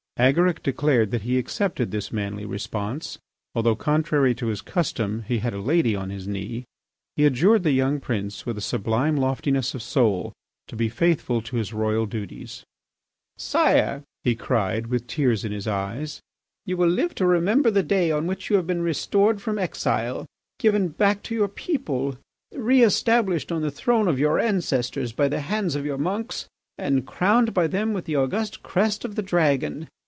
Agaric declared that he accepted this manly response. Although, contrary to his custom, he had a lady on his knee, he adjured the young prince, with a sublime loftiness of soul, to be faithful to his royal duties. "Sire," he cried, with tears in his eyes, "you will live to remember the day on which you have been restored from exile, given back to your people, reestablished on the throne of your ancestors by the hands of your monks, and crowned by them with the august crest of the Dragon.